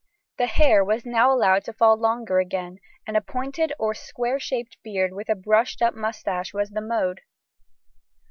The hair was now allowed to fall longer again, and a pointed or square shaped beard with a brushed up moustache was the mode.